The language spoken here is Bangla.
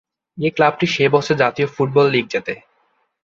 এই ক্লাবটি সে বছর জাতীয় ফুটবল লিগ জেতে।